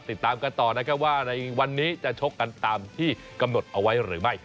ติดตามกันต่อนะครับว่าในวันนี้จะชกกันตามที่กำหนดเอาไว้หรือไม่